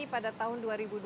pada tahun dua ribu dua puluh